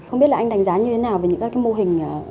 không biết là anh đánh giá như thế nào về những các mô hình